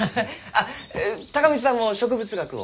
あっ孝光さんも植物学を？